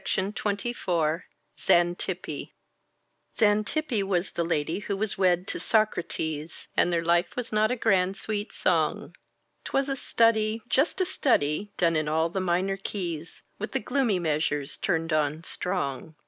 XANTIPPE Xantippe was the lady who was wed to Socrates And their life was not a grand, sweet song; 'Twas a study just a study done in all the minor keys With the gloomy measures turned on strong.